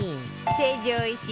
成城石井